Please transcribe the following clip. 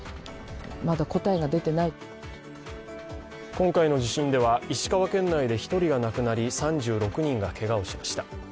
今回の地震では、石川県内で１人が亡くなり３６人がけがをしました。